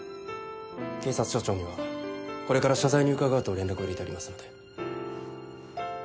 警察署長にはこれから謝罪に伺うと連絡を入れてありますので。